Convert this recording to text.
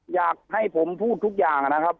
อยากให้ผมพูดทุกอย่างนะครับ